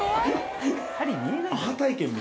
針見えないだろ。